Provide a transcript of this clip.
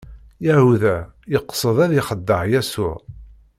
Yahuda yeqsed ad ixdeɛ Yasuɛ.